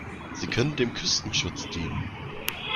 Sie können dem Küstenschutz dienen.